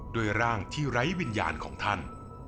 ร่างที่ไร้วิญญาณของท่าน